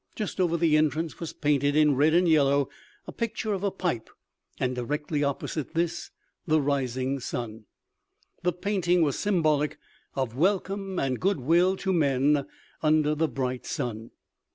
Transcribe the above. Just over the entrance was painted in red and yellow a picture of a pipe, and directly opposite this the rising sun. The painting was symbolic of welcome and good will to men under the bright sun.